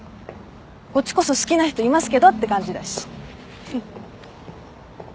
こっちこそ好きな人いますけどって感じだし。